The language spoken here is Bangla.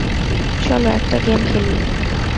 চলো একটা গেম খেলি।